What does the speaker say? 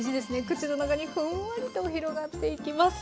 口の中にふんわりと広がっていきます。